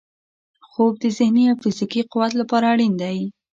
خوب د ذهني او فزیکي قوت لپاره اړین دی